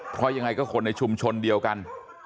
เพราะยังไงก็คนในชุมชนเดียวกัน